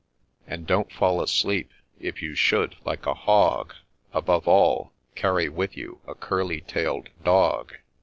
And don't fall asleep, if you should, like a hog !— Above all — carry with you a curly tail'd Dog